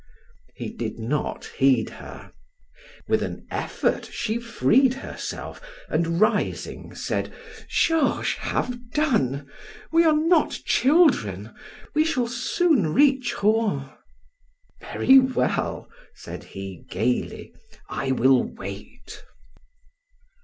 He did not heed her. With an effort, she freed herself and rising, said: "Georges, have done. We are not children, we shall soon reach Rouen." "Very well," said he, gaily, "I will wait."